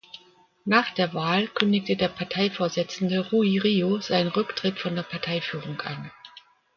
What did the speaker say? Nach der Wahl kündigte der Parteivorsitzende Rui Rio seinen Rücktritt von der Parteiführung an.